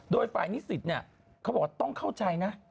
โดยฝ่ายนิสิตเนี่ยเขาบอกว่าต้องเข้าใจนะ